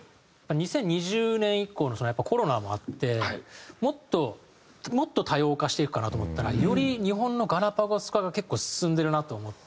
２０２０年以降のやっぱコロナもあってもっともっと多様化していくかなと思ったらより日本のガラパゴス化が結構進んでるなと思って。